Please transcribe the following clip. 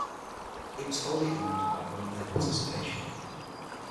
It was wholly owned by Bonaire Participation.